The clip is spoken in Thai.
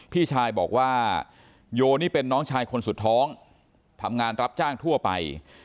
พี่ชายบอกว่าโยนี่เป็นน้องชายคนสุดท้องทำงานรับจ้างทั่วไป